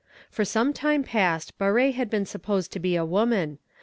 For some time past Barré had been supposed to be a woman.